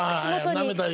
なめたり。